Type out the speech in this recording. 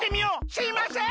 すいません！